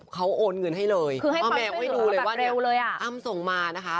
เขาโอนเงินให้เลยอ้าวแมวให้ดูเลยว่าอ้ำส่งมานะคะ